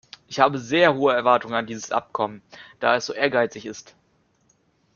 Ich habe sehr hohe Erwartungen an dieses Abkommen, da es so ehrgeizig ist.